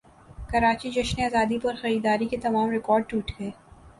کراچی جشن زادی پرخریداری کے تمام ریکارڈٹوٹ گئے